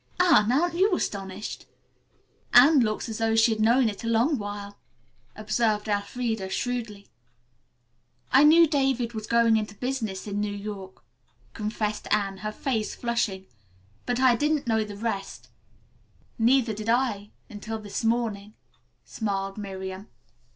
Anne, aren't you astonished?" "Anne looks as though she'd known it a long while," observed Elfreda shrewdly. "I knew David was going into business in New York," confessed Anne, her face flushing, "but I didn't know the rest." "Neither did I, until this morning," smiled Miriam.